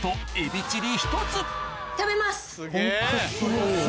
食べます！